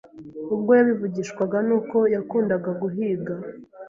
Ubwo yabivugishwaga n’uko yakundaga guhiga